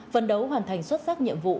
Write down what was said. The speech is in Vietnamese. phân đấu hoàn thành xuất sắc nhiệm vụ